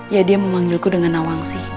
ya dia memanggilku dengan nawangsi